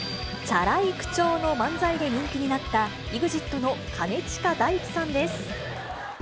チャラい口調の漫才で人気になった、ＥＸＩＴの兼近大樹さんです。